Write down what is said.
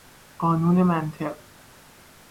قانون منطق